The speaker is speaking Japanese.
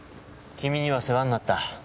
君には世話になった。